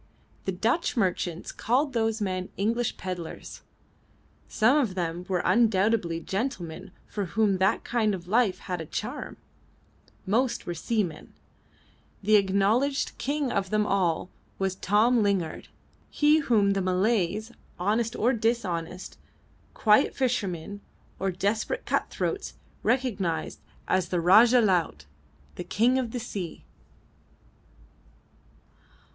The Dutch merchants called those men English pedlars; some of them were undoubtedly gentlemen for whom that kind of life had a charm; most were seamen; the acknowledged king of them all was Tom Lingard, he whom the Malays, honest or dishonest, quiet fishermen or desperate cut throats, recognised as "the Rajah Laut" the King of the Sea.